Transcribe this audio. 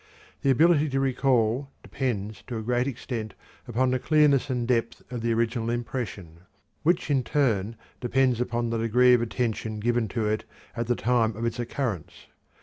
The ability to recall depends to a great extent upon the clearness and depth of the original impression, which in turn depends upon the degree of attention given to it at the time of its occurrence.